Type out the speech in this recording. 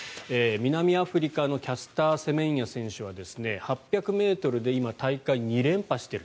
南アフリカのキャスター・セメンヤ選手は８００ｍで今、大会２連覇している。